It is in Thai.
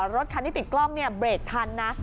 รถคันที่ติดกล้องเบรดทันนะ